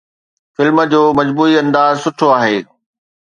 film جو مجموعي انداز سٺو آهي